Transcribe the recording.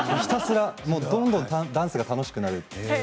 どんどんダンスが楽しくなる。